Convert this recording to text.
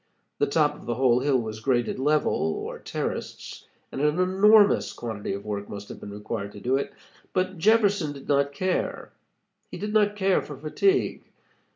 The top of the whole hill was graded level, or terraced, and an enormous quantity of work must have been required to do it, but Jefferson did not care. He did not care for fatigue.